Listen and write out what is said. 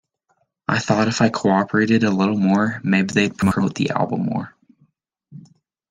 I thought if I cooperated a little more, maybe they'd promote the album more.